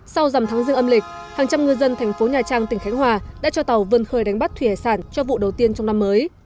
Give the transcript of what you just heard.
sau dằm tháng dương âm lịch hàng trăm ngư dân thành phố nhà trang tỉnh khánh hòa đã cho tàu vươn khơi đánh bắt thủy hải sản cho vụ đầu tiên trong năm mới